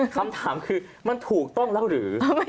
คำถามคือมันถูกต้องแล้วหรือ